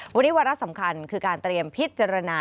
วันนี้วาระสำคัญคือการเตรียมพิจารณา